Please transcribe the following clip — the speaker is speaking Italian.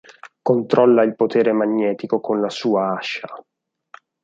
Controlla il potere magnetico con la sua ascia.